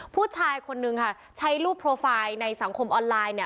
ผู้ชายคนนึงค่ะใช้รูปโปรไฟล์ในสังคมออนไลน์เนี่ย